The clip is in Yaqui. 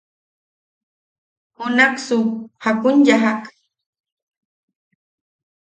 ¿Junaksu jakun yajak?